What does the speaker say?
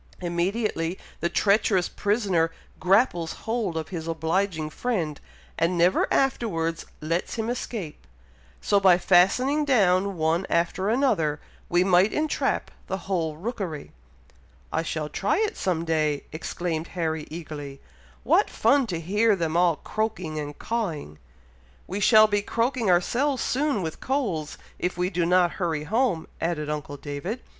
Immediately the treacherous prisoner grapples hold of his obliging friend, and never afterwards lets him escape; so, by fastening down one after another, we might entrap the whole rookery." "I shall try it some day!" exclaimed Harry, eagerly. "What fun to hear them all croaking and cawing!" "We shall be croaking ourselves soon with colds, if we do not hurry home," added uncle David.